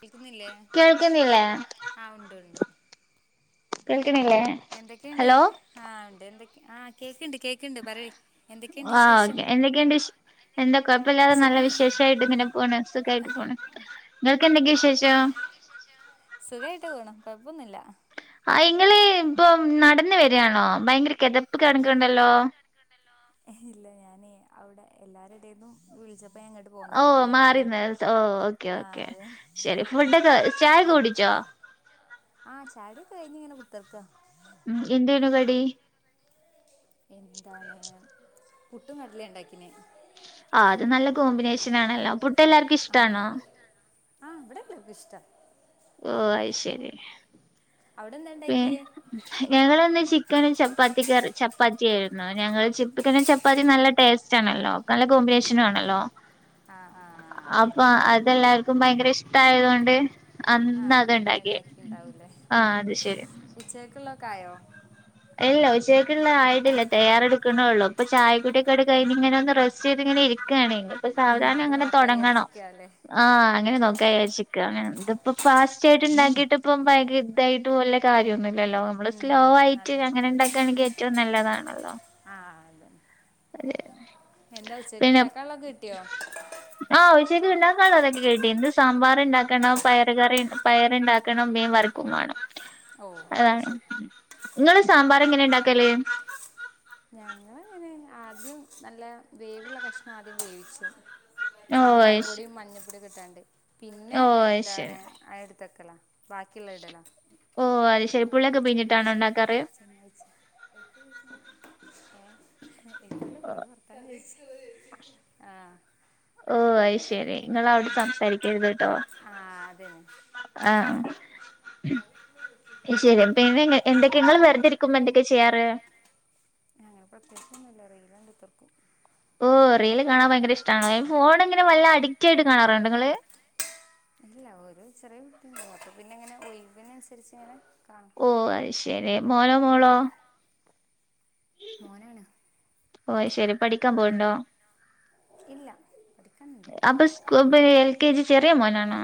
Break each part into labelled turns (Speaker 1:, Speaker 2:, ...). Speaker 1: കേിക്കുന്നില്ലേ
Speaker 2: കേൾക്കുന്നില്ലേ
Speaker 1: ആഹ് ഉണ്ട് ഉണ്ട്
Speaker 2: കേൾക്കണില്ലേ
Speaker 1: എന്തൊക്കെയുണ്ട്
Speaker 2: ഹലോ
Speaker 1: ആഹ ഉണ്ട് എന്തൊ ആഹ് കേക്കുണ്ട് കേക്കുണ്ട് ആപറി
Speaker 2: ആഓക്ക എന്തൊക്കെയണ്ട് എന്താ കൊഴപ്പമില്ലാതെ നല്ല
Speaker 1: സുഖം
Speaker 2: വിശേഷമായിട്ട് ഇങ്ങനെ പോണ് സുഖായിട്ട് പോണ് നിങ്ങൾക്ക് എന്തൊക്കെയാ വിശേഷം അച്ച
Speaker 1: സുഖമായിട്ട് പോണം കൊഴപ്പൊന്നുമില്ല
Speaker 2: ആ ഇങ്ങള് ഇപ്പൊ നടന്ന് വരുകയാണോ ഭയങ്കര കെതപ്പ് കാണിക്കുണ്ടല്ലോ
Speaker 1: ഇല്ല ഞാന അവിടെ എല്ലാരുടന്നും വിളിച്ച
Speaker 2: ഓ മാറിന്ന് ഓ ഓക്കെ
Speaker 1: ആ
Speaker 2: ഓക്കെ
Speaker 1: അതെ
Speaker 2: ശരി ഫുഡൊക്കെ ചായ കൂട
Speaker 1: ആഹ ചായകുടിയൊക്കെ കഴിഞ്ഞ ഇങ്ങനെ കൊത്തിരിക്ക
Speaker 2: ഉം എന്തേനു കടി
Speaker 1: എന്താണ്പുട്ടും കടലയും ഉണ്ടാക്കിനെ
Speaker 2: ആ അത് നല്ല കോമ്പിനേഷൻ ആണല്ലോ പുട്ട് എല്ലാർക്കും ഇഷ്ടാണോ
Speaker 1: ആഹ് ഇവിടെ എല്ലാർക്കും ഇഷ്ടം
Speaker 2: ഓ അയി ശരി
Speaker 1: അവിടെ എന്താ
Speaker 2: പി
Speaker 1: ഉണ്ടാക്കിയേ
Speaker 2: ഞങ്ങള്ന്ന് ചിക്കനും ചപ്പാത്തി കറി ചപ്പാത്തി ആയിരുന്നു ഞങ്ങൾ ചിപ്പിക്കനും ചപ്പാത്തി നല്ല ടേസ്റ്റ് ആണല്ലോ നല്ല കോബിനെശൻ ആണല്ലോ
Speaker 1: ആ ആ അതെ
Speaker 2: അപ്പൊ അതെല്ലാർക്കും ഭയങ്കര ഇഷ്ട ആയത കൊണ്ട് അന്ന
Speaker 1: ആഹ് അത്
Speaker 2: അത്ണ്ടാക്കിയ
Speaker 1: ഇണ്ടാക്കിണ്ടാവൂലേ
Speaker 2: ആഹ അത് ശരി
Speaker 1: ഉച്ചക്കുള്ളൊക്കെ ആയോ?
Speaker 2: ഇല്ല ഉച്ചയ്ക്കുള്ള ആയിട്ടില്ല തയാറെടുക്കണേ ഉള്ളൂ അപ്പ ചായ കുടിയെക്കെ കഴിഞ്ഞ് ഇങ്ങനെ ഒന്ന് റെസ്റ്റ് ചെയ്ത് ഇങ്ങനെ ഇരി ക്ക്യണ് ഇപ്പൊ സാവധാന
Speaker 1: എന്നിട്ട്
Speaker 2: അങ്ങനെ
Speaker 1: നോക്കാ
Speaker 2: തുടങ്ങണം
Speaker 1: വിചാരിച്ചിക്കാല്ലേ
Speaker 2: ആ അങ്ങനെ നോക്കവിരാച്ച് ക്കാണ് ഇത്പ്പോ ഫാസ്റ്റ് ആയിട്ട് ഉണ്ടാക്കിട്ട് ഇപ്പ ഭയങ്ക ഇതായിട്ട് വല്യാ കാര്യയെന്നുല്ല ല്ലല്ലോ നമ്മള്
Speaker 1: ഉം
Speaker 2: സ്ലോ ആയിട്ട്
Speaker 1: അതന്നെ
Speaker 2: അങ്ങനെ ഉണ്ടാക്കാണങ്കി ഏറ്റവും നല്ലതാണല്ലോ
Speaker 1: ആഹ് അതന്നെ എന്താ ഉച്ചക്ക്
Speaker 2: പിന്നെ
Speaker 1: ഇണ്ടാക്കാ ഒള്ളൊ കിട്ടിയോ
Speaker 2: ആഹ് ഉച്ചക്ക് ഒണ്ടാക്കാനുള്ളതൊക്കെ കിട്ടി ഇന്ന് സാമ്പാർ ഇണ്ടാക്കണം പയർ കറി പയറുണ്ടാക്കണം മീൻ വറക്കും വേണം
Speaker 1: ഓ അത്
Speaker 2: അതാണ്
Speaker 1: ശരി
Speaker 2: നിങ്ങള് സാമ്പാർ എങ്ങനെ ഇണ്ടാക്കല്
Speaker 1: ഞങ്ങളങ്ങനെ ആദ്യം നല്ല വേവുള്ള കഷ്ണം ആദ്യം വേവിച്ചു
Speaker 2: ഓഹ്
Speaker 1: സാമ്പാർ
Speaker 2: അത്
Speaker 1: പൊടിയും മഞ്ഞപ്പൊടിയ കിട്ടാണ്ട്
Speaker 2: ശരി
Speaker 1: പിന്നെ
Speaker 2: ഓഹ് അത് ശരി
Speaker 1: എന്താണ് തക്കല ബാക്കിയുള്ള ഇടലോ
Speaker 2: ഓ അത് ശരി പുള്ളൊക്കെ പിരിഞ്ഞിട്ടാണ ഇണ്ടാക്കാറ്
Speaker 1: ചങ്ങാഴ്ച്ച എന്ത് വെറുതെ വർത്താനം ആഹ
Speaker 2: നിങ്ങളവിടെ സംസാരിക്കരുത് കേട്ടോ
Speaker 1: ആഹ് അതന്നെ
Speaker 2: ആഹ ശരി പിന്നെ എന്തൊക്കെ നിങ്ങള് വെറുതെ ഇരിക്കുമ്പോ എന്തൊക്കെ ചെയ്യാറ്
Speaker 1: ആഹ പ്രത്യകിച്ചൊന്നും ഞ എതിർക്കും
Speaker 2: ഓ റീൽ കാണാൻ ഭയങ്കര ഇഷ്ടമാണ് ഫോൺ ഇങ്ങനെ വല്ല അഡിക്റ്റ് ആയിട്ട് കാണാറുണ്ടേ നിങ്ങള്
Speaker 1: ഇല്ല ഓരോ ചെറിയ വൃത്തിണ്ടാവും അപ്പൊ പിന്നെങ്ങനെ ഒഴവിനു അനുസരിച്ചിങ്ങനെ
Speaker 2: ഓ അത് ശരി മോനോ മോളോ
Speaker 1: മോനാണ്
Speaker 2: ഓ ശരി പഠിക്കാൻ പോവ്ണ്ടോ
Speaker 1: ഇല്ല പഠിക്കാനൊന്നും പോയില്ല
Speaker 2: അപ്പൊ സ്- എൽ കെ ജി ചെറിയ മോനണോ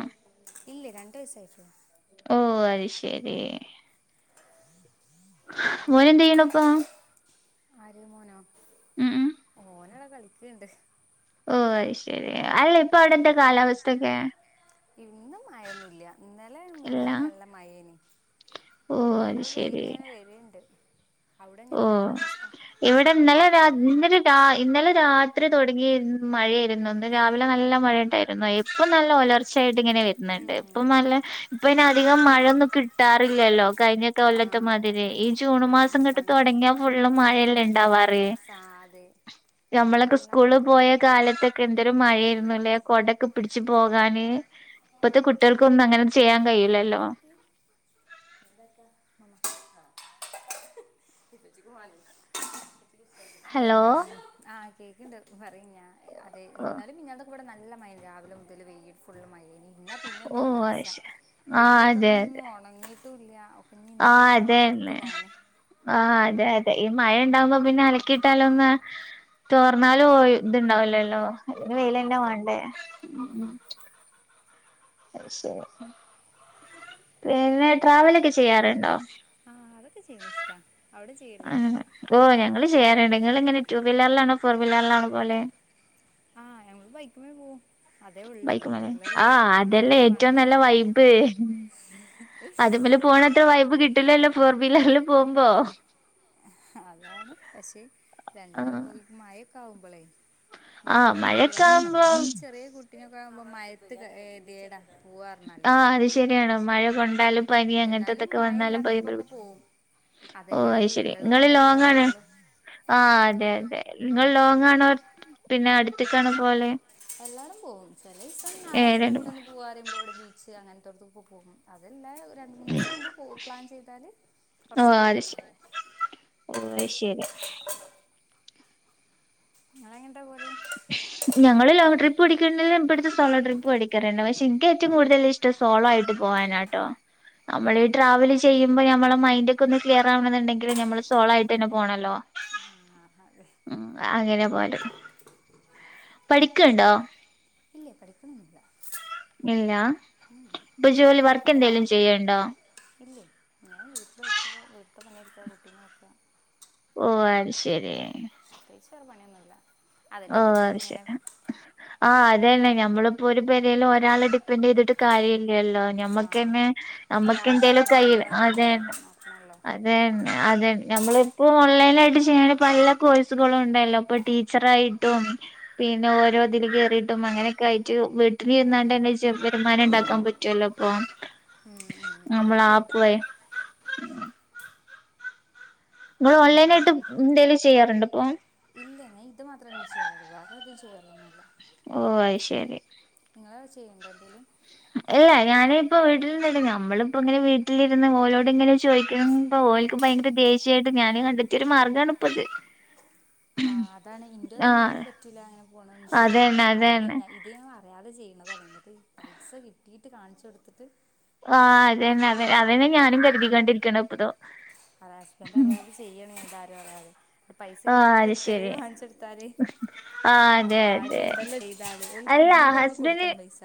Speaker 1: ഇല്ലേ രണ്ട് വയസായിട്ടുള്ളു
Speaker 2: ഓ അത് ശരി ഓരെന്തെയ്ണ് പ്പോ
Speaker 1: ആര് മോനോ
Speaker 2: ഉം
Speaker 1: കളിക്കുണ്ട്
Speaker 2: ഓ അത് ശരി അല്ല ഇപ്പൊ അവിടെന്ത കാലാവസ്ഥൊക്കെ
Speaker 1: ഇന്നും മഴൊന്നുല്ല ഇന്നലെ
Speaker 2: ഇല്ല
Speaker 1: മിഞ്ഞാന്നൊക്കെ നല്ല മഴേനി
Speaker 2: ഓ അത്
Speaker 1: ഇന്നിപ്പോ
Speaker 2: ശരി
Speaker 1: വെയിലങ്ങനെ വര്ണ്ട്
Speaker 2: ഓ ഇവിടെ ഇന്നല്ല രാ ഇന്നലെ രാ ഇന്നലെ രാത്രി തെടങ്ങി മഴയായിരുന്നു ഇന്ന് രാവിലെ നല്ല മഴയണ്ടായിരുന്നു ഇപ്പം നല്ല പുലർച്ചയായിട്ട് ഇങ്ങനെ വരുന്നുണ്ട്
Speaker 1: ഉം.
Speaker 2: ഇപ്പ നല്ല ഇപ്പ ന്നെധികം മഴൊന്നും കിട്ടാറില്ലല്ലോ കഴിഞ്ഞ
Speaker 1: ആ
Speaker 2: കൊല്ലത്തെ മാതിരി ഈ ജൂൺ
Speaker 1: ആ
Speaker 2: മാസം ങ്ങട്ട്
Speaker 1: അതാണ്
Speaker 2: തുടങ്ങിയാ ഫുള്ള് മഴയല്ല ഇണ്ടാവാറ്
Speaker 1: സാ അതെ പണ്ടൊക്കെ
Speaker 2: നമ്മളൊക്കെ
Speaker 1: എല്ലാം
Speaker 2: സ്കൂള്
Speaker 1: വേണ്ട
Speaker 2: പോയ കാലത്തൊക്കെ എന്ത ന്ത് മഴായ്രുന്നുല്ലേ കൊടക്കെ പിടിച്ച് പോകാന് ഇപ്പത്തെ കുട്ടികൾക്കൊന്നും അങ്ങനെ ചെയ്യാൻ കഴിയില്ലല്ലോ
Speaker 1: [unintelligible]
Speaker 2: ഹലോ
Speaker 1: എന്താ ആഹ് കേക്കണ്ട് പറയും ഞാ അതെ ഇന്നാലും
Speaker 2: ഓ
Speaker 1: മിഞ്ഞാന്നുക്ക്വടെ ന ല്ല മഴേനി രാവിലെ മുതൽ വെയ്കിട്ട് ഫുള്ള് മഴേ ന്ന പിന്നെ ഒന്ന്
Speaker 2: ഓ
Speaker 1: ഒലർച്ച തിര്മ്പിട്ടൊന്നും ഉണങ്ങിട്ടൂല്ല്യ
Speaker 2: ആഹ അതെന്നെ ആഹ അതെ അതെ ഈ മഴ ഉണ്ടാവുമ്പോ പിന്നെ അലക്കിയിട്ടാലൊന്ന് തോർന്നാലും പോയി ഇത്ണ്ടാവല്ലല്ലോ അയ്ന്
Speaker 1: ആ
Speaker 2: വെയിലന്ന
Speaker 1: അതന്നെ
Speaker 2: വേണ്ടേ
Speaker 1: ഉം.
Speaker 2: അശെ പിന്നെ ട്രാവലൊക്കെ ചെയ്യാറുണ്ടോ
Speaker 1: ആഹ് അതൊക്കെ ചെയ്യന്ന ഇഷ്ടാ അവിടെ ചെയ്യില്ലേ [inaudible]
Speaker 2: നിങ്ങളങ്ങനെ ടു വീലർലാണോ ഫോർ വീലർലാണോ പോവ്ലെ
Speaker 1: ആഹ് ഞങ്ങ ബൈക്ക്മെ പോകു
Speaker 2: ബൈക്കുമേലെ ആ അതല്ലേ
Speaker 1: അതൊക്കെ
Speaker 2: ഏറ്റവും
Speaker 1: വാങ്ങണം
Speaker 2: നല്ല വൈബ് അത് മലെ പോണ അത്ര വൈപ് കിട്ടില്ലല്ലോ ഫോർ വീലർല് പോകുമ്പോ
Speaker 1: അതാണ് പക്ഷേ രണ്ട്
Speaker 2: ആഹ്
Speaker 1: [unintelligible]
Speaker 2: ആഹ്
Speaker 1: ബൈക്കുമ പോവല് വളരെ കമ്മി
Speaker 2: മഴക്കാവുമ്പോ
Speaker 1: ഇനി ചെറിയ [unintelligible] പോവാർഞ്ഞാല്
Speaker 2: ആഹ് അത് ശരിയാണ് മഴ കൊണ്ടാലും പനി അങ്ങനത്തെതൊക്കെ വന്നാലും ഭയ
Speaker 1: [unintelligible]
Speaker 2: ഓ
Speaker 1: അതല്ലേ
Speaker 2: അത്
Speaker 1: ഒന്നും
Speaker 2: ശെരി
Speaker 1: ഉല്ലാ
Speaker 2: നിങ്ങള് ലോങ്ങ ആണ് പിന്നെ അടുത്തക്കാണ് പോവല്
Speaker 1: എല്ലാരും പോകും ചിലസം [inaudible]
Speaker 2: ഏ
Speaker 1: ഞാറായ്ച
Speaker 2: രണ്ടും
Speaker 1: പെട്ടന്ന് പോകാന്നറിമ്പോ ഇവിടെ ബീച്ച് അങ്ങനെ പോകും അതെല്ല [unintelligible] രണ്ടീസം മുമ്പ് [inaudible] പോ പ്ലാൻ ചെയ്താല്
Speaker 2: ഓ
Speaker 1: കൊറച്ച്
Speaker 2: അത് ശരി
Speaker 1: വിട്ടൊക്കെ [unintelligible]
Speaker 2: ഓ അയ് ശരി
Speaker 1: ങ്ങളങ്ങനെ
Speaker 2: പടിക്കല്ണ്ടെ ഇപ്പട്ത്ത് [inaudible] സോളോട്രിപ്പു അടിക്കലുണ്ട് പക്ഷെ ഇൻക്ക് ഏറ്റവും കൂടുതൽ ഇഷ്ടം സോളോ ആയിട്ട് പോകാനാട്ടോ
Speaker 1: ഏ
Speaker 2: നമ്മള് ട്രാവൽ ചെയ്യും നമ്മളെ മൈൻഡ് ഒക്കെ [inaudible] ഒന്ന് ക്ലിയർ ആവണുണ്ടെങ്കിൽ നമ്മള് സോളോ ആയിട്ടെന്നെ പോണല്ലോ [inaudible]
Speaker 1: ആ അതെ
Speaker 2: ഉ അങ്ങനെ പോലെ പഠിക്കണ്ടോ
Speaker 1: [unintelligible]
Speaker 2: ഇല്ല ഇപ്പൊ ജോലി വർക്ക് എന്തെലും ചെയ്യണ്ടോ
Speaker 1: ഇല്ലേ ഞാൻ വീട്ടിൽ വെക്കുക വീട്ടിലത്തെ [unintelligible]
Speaker 2: ഓ അത് ശരി
Speaker 1: പ്രത്യേകിച്ച് വേറെപണിയൊന്നുല്ല
Speaker 2: ഓ അത് ശരി ആഹ അ [unintelligible] അതെയന്നെ ഞമ്മളിപ്പോഒരു പരയിലും ഒരാള് [inaudible] ഡിപ്പെൻറ് ചെയ്തിട്ട് കാര്യമല്ലല്ലോ
Speaker 1: ആ
Speaker 2: ഞമ്മക്ക്ന്നെ
Speaker 1: എന്ത്
Speaker 2: നമ്മക്ക് [inaudible] എന്തേലും
Speaker 1: ആവശ്യത്തിന്
Speaker 2: കയ്
Speaker 1: നമ്മൾ തന്നെ
Speaker 2: അതെ
Speaker 1: ഉണ്ടാക്കി നോക്കണമല്ലോ
Speaker 2: അതെ അതെ നമ്മളിപ്പോ ഓൺലൈന ആയിട്ട് ചെയ്യണ [inaudible] പല കോഴ്സുകളും ഉണ്ടല്ലോ ഇപ്പൊ ടീച്ചർ [unintelligible] മാന
Speaker 1: ആ
Speaker 2: ഉണ്ടാക്കാൻ [inaudible] പറ്റുവല്ലോ ഇപ്പൊ
Speaker 1: ഉം ഉം,
Speaker 2: നമ്മള
Speaker 1: അത് ശരി
Speaker 2: ആപ്പേ
Speaker 1: ആയി
Speaker 2: [inaudible] നിങ്ങൾ ഓൺലൈൻ
Speaker 1: പിന്നെ
Speaker 2: ആയിട്ട് [unintelligible] എന്തലും ചെയ്യാറുണ്ട് ഇപ്പൊ
Speaker 1: ഇല്ല ഞാൻ ഇത് മാത്രമേ ചെയ്യാനുള്ളൂ വേറെ ഒന്നും ചെയ്യാലൊന്നുല്ല
Speaker 2: ഓ അത് ശരി
Speaker 1: നിങ്ങള ചെയ്യേണ്ട എന്തേലും
Speaker 2: ഇല്ല ഞാന ഇപ്പ വീട്ടിൽന്നല്ല നമ്മളിപ്പോ ഇങ്ങനെ വീട്ടിലിരുന്ന് ഓലോട് ഇങ്ങനെ ചോദിക്ക [unintelligible] ഓൽക്ക് ഭയങ്കര ദേഷ്യായിട്ട് ഞാന് കണ്ടത്തിയ ഒരു മാർഗമാണ് ഇപ്പത്
Speaker 1: ആഹ് അതാണ് ഇന്റേത് തന്നെ
Speaker 2: ആഹ്
Speaker 1: ഓൽക്ക്
Speaker 2: അതന്നെ അതന്നെ
Speaker 1: പൈസ കിട്ടിയിട്ട് കാണിച്ചു കൊടുത്ത്
Speaker 2: ആഹ അത തന്നെ അത അതന്നെ ഞാനും കരുതിക്കൊണ്ടിരിക്കണ ഇപ്പതോ
Speaker 1: ഹസ്ബൻഡറ് അറിയതെ [inaudible] ചെയ്യണം എന്റെ ആരും അറിയതെ പൈസ
Speaker 2: ആഹ്
Speaker 1: കിട്ട
Speaker 2: അത് ശരി
Speaker 1: തെളിവ് കാണിചൊടുത്താല് ആഹ്
Speaker 2: അതെ അതെ
Speaker 1: കാര്യ ഉണ്ടല്ലോ ചെയ്താല് കുടുങ്ങുമ്പോ [unintelligible] കൊടുക്കണം പൈസ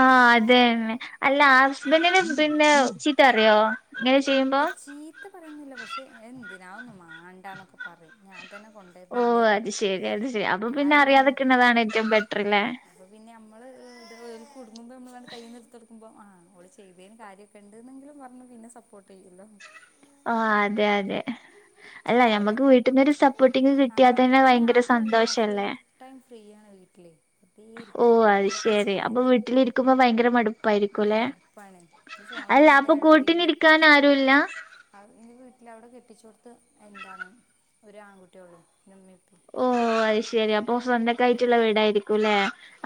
Speaker 2: ആഹ അതേന്നെഅല്ല ഹസ്ബെൻനെ പിന്നെ ഉ കുറച്ചക്കറിയവോ
Speaker 1: ചീത്ത പറയന്നില്ല പക്ഷെ എന്തിനാ ഒന്നും മണ്ടാന്നൊക്കെ പറയും ഞാൻ തന്നെ
Speaker 2: ഓ
Speaker 1: കൊണ്ടുവരുന്നില്ലേ
Speaker 2: അത്
Speaker 1: പറയും
Speaker 2: ശെരി അത് ശരി അപ്പൊ പിന്നെ
Speaker 1: എന്നാലും ഞ
Speaker 2: അറിയാതെക്കുന്നതാണ് ഏറ്റവും ബെറ്ററല്ലെ [inaudible]
Speaker 1: കുടുങ്ങുപോ നമ്മ കയിൽന്ന് എടുത്ത്ടുക്ക്പോ ആ അവള് ചെയ്തതി കാര്യക്കെ ഉണ്ട് ചെയ്യുലോ [unintelligible]
Speaker 2: ആ അതെ അതെ അല്ല
Speaker 1: അവിടെ
Speaker 2: ഞമ്മക്ക് വീട്ടിൽന്നൊരു സപ്പോർട്ടിങ്ങ് കിട്ടിയാത്ത
Speaker 1: ആഹ്
Speaker 2: തന്നെ
Speaker 1: പിന്നെ
Speaker 2: ഭയങ്കര
Speaker 1: അതുമല്ല ഫുൾ
Speaker 2: സന്തോഷല്ലേ
Speaker 1: ടൈം ഫ്രീ ആണ് വീട്ടിലെ
Speaker 2: ഓ അത് ശെരി അപ്പൊ വീട്ടിലിരിക്കുമ്പോ ഭയങ്കര മടു
Speaker 1: ഉം
Speaker 2: പ്പായിരിക്കല്ലേ
Speaker 1: മടുപ്പാണ് ഇത് ഫോണില്
Speaker 2: അല്ല അപ്പൊ കൂട്ടിനിരിക്കാന ആരുല്ല
Speaker 1: എന്റെ വീട്ടില അവിടെ കെട്ടിച്ച കൊടുത്ത് എന്താണ് ഒരു ആൺകുട്ടിയ ഉള്ളൂ എന്റെ മ്മീം
Speaker 2: ഓ അത് ശരി അപ്പൊ സ്വന്തക്കായിട്ടുള്ള വീടായിരിക്കും ല്ലെ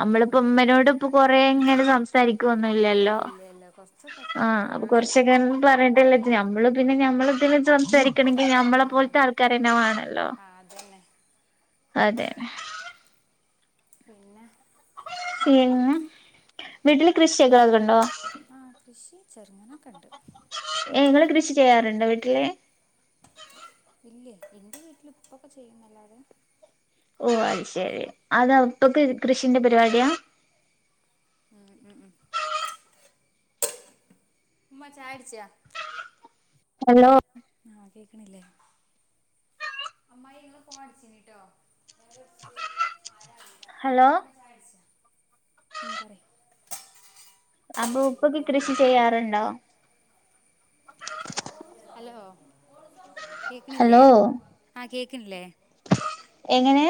Speaker 2: നമ്മളിപ്പോ
Speaker 1: ഉം
Speaker 2: ഉമ്മനോട് ഇപ്പൊ കൊറ ഇങ്ങനെ സംസാരിക്കുവൊന്നുംല്ലല്ലോ
Speaker 1: ഇല്ല ഇല്ല കുറച്ച്
Speaker 2: ആഹ
Speaker 1: വർത്താനല്ലേ
Speaker 2: അപ്പൊ
Speaker 1: പറയുള്ളൂ
Speaker 2: കൊറച്ചൊക്ക പറയട്ടല്ലേത് ഞമ്മള് പിന്നെ ഞമ്മള് സംസാരിക്കണമെങ്കിൽ ഞമ്മളെ
Speaker 1: ആഹ്
Speaker 2: പോലത്തെ ആൾക്കാര തന്നെ വേണല്ലോ
Speaker 1: ആഹ് അതന്നെ
Speaker 2: അതെ
Speaker 1: പിന്നെ
Speaker 2: പിനെ വീട്ടിൽ കൃഷിക്കക്കെ ഉണ്ടോ
Speaker 1: ആഹ് കൃഷി ചെറുങ്ങനൊക്കെ ഉണ്ട്
Speaker 2: [unintelligible] കൃഷി ചെയ്യാറുണ്ടോ വീട്ടില്
Speaker 1: ഇല്ലേ എന്റെ വീട്ടിൽ ഉപ്പൊക്കെ ചെയ്യുന്നല്ലാതെ
Speaker 2: ഓ അത് ശെരി അതാ ഉപ്പക്ക് കൃഷിന്റെ പരിപാടിയാ
Speaker 1: ഉം ഉം ഉം ഉമ്മച്ചായക്കുടിച്ചാ
Speaker 2: ഹലോ
Speaker 1: ആഹ് കേക്ണില്ലേ അമ്മയി ങ്ങള ഫ്ഹോ അടിച്ചിനിട്ടോ!
Speaker 2: ഹലോ
Speaker 1: മം പറി
Speaker 2: അപ്പൊ പ്പ പ്പ കൃഷി ചെയ്യാറുണ്ടോ
Speaker 1: ഹലോ കേക്ണില്ലേ
Speaker 2: ഹലോ
Speaker 1: ആ കേക്ണ് ല്ലേ
Speaker 2: എങ്ങനെ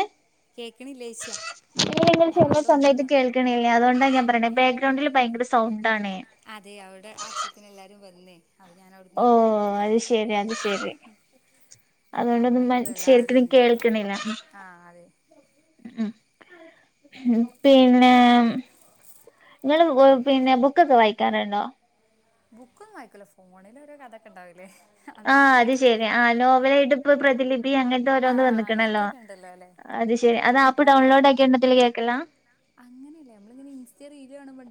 Speaker 1: കേക്കണില്ലേ ചേച്ചിയ
Speaker 2: നീന്റെ
Speaker 1: ഞാൻ
Speaker 2: ചെറീ
Speaker 1: അവിടെ
Speaker 2: സൗണ്ടായിട്ട്
Speaker 1: ഒന്ന്
Speaker 2: കേൾക്കണില്ല അതോണ്ട് ന്താ ഞാ റയട്ടെ ബേക്ക്ഗ്രൗണ്ടില് ഭയര സൗണ്ട്
Speaker 1: അതെ അവവിടെ അ പ്പോത്തിനല്ലാരും വന്നേ അപ്പൊ ഞാൻ അവിടുന്ന്
Speaker 2: ഓ
Speaker 1: എല്ലാം മാറിയതാ
Speaker 2: അത് ശരി അത് ശരി
Speaker 1: ഇവടപ്പോ
Speaker 2: അതുകൊണ്ടൊന്നും
Speaker 1: അമ്മയി കള്
Speaker 2: ശരിക്കും
Speaker 1: എല്ലാരുണ്ട് ആഹ അതെ
Speaker 2: ആ പിന്നെ ങ്ങള് പിന്നെ ബുക്കൊക്കെ വായി [unintelligible]
Speaker 1: ബുക്കോന്നും വായിക്കൂല ഫോണിൽ ഒരോ കഥൊക്കെ ണ്ടാവൂലേ!
Speaker 2: ആ അത് ശരി ആ നോവലാ യ്ട്ട്പ്പോ പ്രതിലിപി അങ്ങനെ
Speaker 1: ആ
Speaker 2: രോന്ന് വന്ന്ക്കണല്ലോ
Speaker 1: അങ്ങനത്തൊക്കെ ഉണ്ടല്ലോ അല്ലെ
Speaker 2: അത് ശെരി അത് ആപ്പ് ഡൗൺലോഡ് ആക്കീട്ട് കേക്കല
Speaker 1: അങ്ങനെയല്ല നമ്മങ്ങനെ ഇൻസ്റ്റ റീലാണുമ്പോ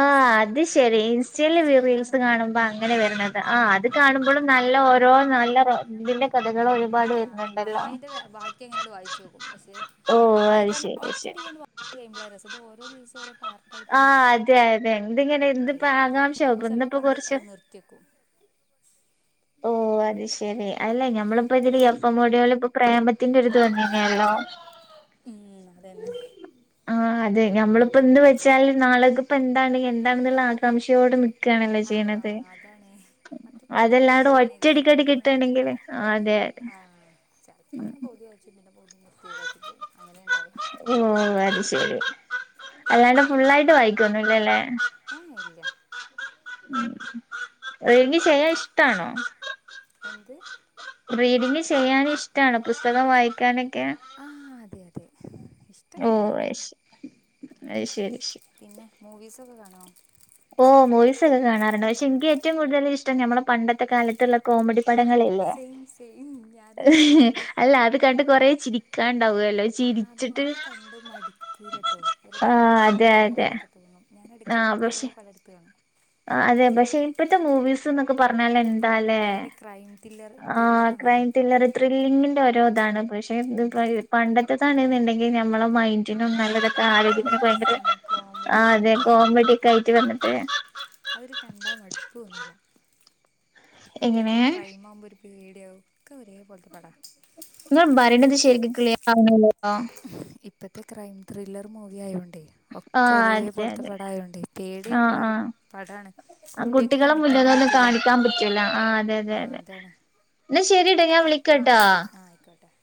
Speaker 2: ആ് അത് ശെരി
Speaker 1: അപ്പൊ കുറച്ച്
Speaker 2: ഇൻസ്റ്റൽറി
Speaker 1: ഭാഗം
Speaker 2: റീൽസ് കാണുമ്പോ അങ്ങനെ വരണത് ആ അത് കാണുമ്പോളും നല് നല്ല ഓരോ നല്ല റോ
Speaker 1: ആഹ അപ്പ യ്ന്റെ ബാക്കി അങ്ങനെണ്ട്ട വായിചൊഗും പക്ഷെ
Speaker 2: ഓഹ് അത്
Speaker 1: വായിക്കാർണ
Speaker 2: ശെരി
Speaker 1: ഒറ്റടി
Speaker 2: ശെരി
Speaker 1: ക്കാണ്ട് വ [inaudible] സം ഇത് ഓരോ ദിവസം ഒരോ പാർട്ടായിട്ട ങ്ങനെ
Speaker 2: ആഹ്
Speaker 1: കിട്ടും
Speaker 2: അതെ അതെ എന്തിങ്ങനെ എന്തിപ്പ ആകാംക്ഷവും
Speaker 1: അപ്പൊ
Speaker 2: പഇന്ന്പ്പോ
Speaker 1: ചെലപ്പണ്ട്
Speaker 2: കുർച്
Speaker 1: അത് നിർത്തിയെക്കും
Speaker 2: ഓ അത് ശരി അല്ലഞ മ്മളിപ്പോതില് എപ്പ മോടിയോലും പ്പ പ്രേമത്തി ത്തിന്റെത് വന്നീന നെയല്ലോ
Speaker 1: ഉം അതന്നെ
Speaker 2: ആ അതെ നമ്മളിപ്പോ എന്ത് വെച്ചാല് നാളക്കിപ്പോ ന്ത്‌ വച്ചാലും നാളെ ക് പ്പ ന്താണ് ന്താണെന്നുള്ള ആകാംക്ഷയോട നിക്കു
Speaker 1: ആഹ അതാണ് മറ്ററ്റടിക് വ യിച്ച
Speaker 2: അതല്ലാണ്ട്
Speaker 1: ചെയ്യണേ രസ
Speaker 2: ഒറ്റടിക്കടി
Speaker 1: ത്ങ്ങനെ
Speaker 2: കിട്ടണെങ്കില് ആഹ് അതെ
Speaker 1: ആ ചെൽപ്പോ ങ്ങനെ പൗതി വയ്ച്ചു പിന്നെ നിർത്യയ്വാക്കി പോവും അങ്ങനെണ്ടാവ
Speaker 2: ഓ അത് ശരി അല്ലാണ്ട് ഫുള്ളായിട്ട് വായിക്കൊന്നുല്ലല്ലേ?
Speaker 1: ഏ എ ഇല്ല
Speaker 2: മം റെയിങ് ചെയ്യാൻ ഇഷ്ടാണോ?
Speaker 1: എന്ത്?
Speaker 2: റീഡിങ് ചെയ്യാൻ ഇഷ്ടാണോ? പുസ്തകം വായിക്കാനൊക്കെ
Speaker 1: ആഹ് അതെ അതെ
Speaker 2: ഓ
Speaker 1: ഇഷ്ടൊക്കെയാണ്
Speaker 2: ആയ്ശ് അയ് ശരി ശരി
Speaker 1: പിന്നെ മൂവീസൊക്കെ കാണോ?
Speaker 2: ഓ മൂവീസൊക്കെ കാണാറ്ണ്ട് പക്ഷെ ൻക്ക് ഏറ്റവും കൂടുതൽ ഇഷ്ടം ഞമ്മളെ പണ്ടത്തെ കാലത്തുള്ള കോമഡി
Speaker 1: ആ
Speaker 2: പടങ്ങളില്ലേ
Speaker 1: സെയിം സെയിം ഞാനും അതന്നെ
Speaker 2: ഹ്
Speaker 1: കാണല്
Speaker 2: അല്ല അത് കണ്ട് കൊറേ ചിരിക്കാണ്ട്
Speaker 1: ആ അതന്നെ അത് കണ്ട് മടുക്കൂലട്ടോ ഒരട്ടം
Speaker 2: ആഹ്
Speaker 1: കണ്ട്
Speaker 2: അതെ
Speaker 1: പിന്നിം
Speaker 2: അതെ
Speaker 1: കാണാനൊക്കെ തോന്നും ഞാന് യട്കടക്ക് ഓരോ പടട്ത്ത് കാണും
Speaker 2: ആ അതെ പക്ഷെ ഇപ്പത്തെ മൂവീസ് ന്നൊക്കെ പറഞ്ഞാല് എൻ ന്താല്ലേ
Speaker 1: ഭയങ്കര ക്രൈം ത്രില്ലർ
Speaker 2: ആ
Speaker 1: ത്രില്ലറാണല്ലോ
Speaker 2: ക്രൈം ത്രില്ലർ ത്രില്ലിങ്ങിന്റെഓരോ താണ് പേ പക്ഷെ
Speaker 1: ഉം.
Speaker 2: ഇത്പയ് പണ്ടത്തെ താണ്ന്ന്ണ്ടെങ്കിൽ നമ്മളെ മൈന്റ് മ് നല്ലതട്ടാ
Speaker 1: ആ അത്
Speaker 2: ആരോഗ്യത്തിനോക്കെ ഭയങ്കര
Speaker 1: രസാണ്
Speaker 2: ആ
Speaker 1: കോമഡി
Speaker 2: അതെ
Speaker 1: ആയോണ്ടേ
Speaker 2: കോമഡിക്കെയിട്ട് വന്നിട്ട്
Speaker 1: അതൊരു കണ്ടാ മട്പ്പൊന്നൂല,
Speaker 2: എങ്ങനെ
Speaker 1: ഇപ്പത്തൊക്കെ ക്രൈം ആവുമ്പോരു പേടിയാവും ഒക്കെ ഒരേപോൽത്ത പടാ
Speaker 2: ങ്ങള് ബറിണ്ണത് ശരിക്ക് ക്ലിയറാവ്ണില്ലല്ലോ
Speaker 1: ഇപ്പത്തെ ക്രൈം ത്രില്ലർ മൂവി ആയോണ്ടേ ഒക്കെ
Speaker 2: ആഹ്
Speaker 1: ഒരേ
Speaker 2: അതെ
Speaker 1: പോലത്തെ
Speaker 2: അതെ
Speaker 1: പടായൊണ്ട് പേടി
Speaker 2: ആഹ്
Speaker 1: ള്ള ഒരു
Speaker 2: ആഹ്
Speaker 1: പടാണ്
Speaker 2: ആ
Speaker 1: കുട്ട്യാക്ക്
Speaker 2: കുട്ടികളെ
Speaker 1: കാണിക്കാനും പറ്റ്
Speaker 2: മുന്നിലൊന്നും കാണിക്കാൻ പറ്റൂല ആ അതെ തെ തെ
Speaker 1: അതാണ്
Speaker 2: ന്നാ ശെരിട്ട ഞാൻ
Speaker 1: ആ
Speaker 2: വിളിക്കട്ടൊ
Speaker 1: ശരി ആ ആയിക്കോട്ടെ